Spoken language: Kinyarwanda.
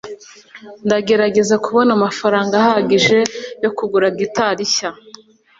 Ndagerageza kubona amafaranga ahagije yo kugura gitari nshya.